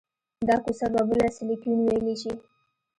دا کوڅه به بله سیلیکون ویلي شي